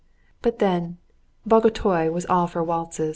But, then, Bagotay was all for waltzes.